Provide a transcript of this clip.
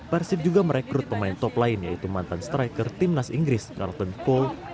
persib juga merekrut pemain top lain yaitu mantan striker timnas inggris carlton cole